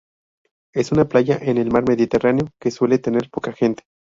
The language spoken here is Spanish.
Es una playa en el mar Mediterráneo que suele tener poca gente.